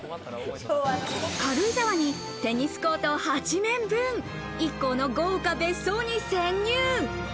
軽井沢にテニスコート８面分、ＩＫＫＯの豪華別荘に潜入。